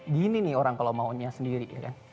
gini nih orang kalau maunya sendiri